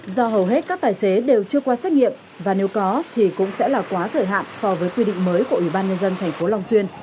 do hầu hết các tài xế đều chưa qua xét nghiệm và nếu có thì cũng sẽ là quá thời hạn so với quy định mới của ủy ban nhân dân tp long xuyên